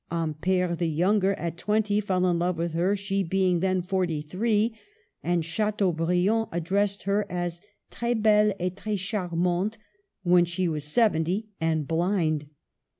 Ampere the younger, at twenty, fell in love with her, she being then forty three ; and Chiteaubriand addressed her as " trks belle et trte charmante" when she was seventy and blind.